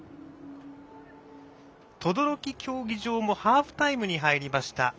等々力競技場もハーフタイムに入りました。